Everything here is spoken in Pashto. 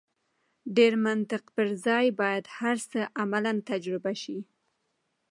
ډېر منطق پر ځای باید هر څه عملاً تجربه شي.